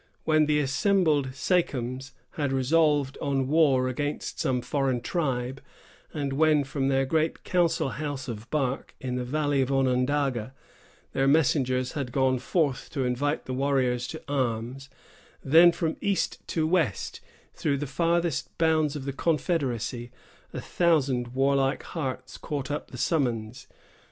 When the assembled sachems had resolved on war against some foreign tribe, and when, from their great council house of bark, in the Valley of Onondaga, their messengers had gone forth to invite the warriors to arms, then from east to west, through the farthest bounds of the confederacy, a thousand warlike hearts caught up the summons.